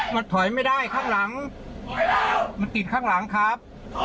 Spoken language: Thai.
มันถอยไม่ได้ข้างหลังมันติดข้างหลังครับ